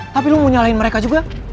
tapi lu mau nyalain mereka juga